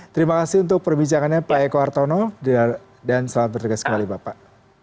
terima kasih untuk perbicaraannya pak eko hartono dan selamat berterima kasih kembali bapak